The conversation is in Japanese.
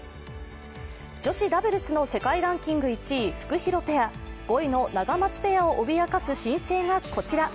女子ダブルスの世界ランキング１位フクヒロペア、５位のナガマツペアを脅かす新星がこちら。